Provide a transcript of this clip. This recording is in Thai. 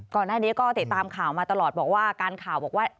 ก่อนหน้านี้ก็ติดตามข่าวมาตลอดบอกว่าการข่าวบอกว่า